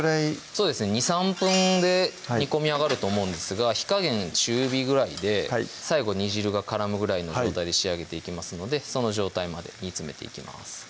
そうですね２３分で煮込み上がると思うんですが火加減中火ぐらいで最後煮汁が絡むぐらいの状態で仕上げていきますのでその状態まで煮詰めていきます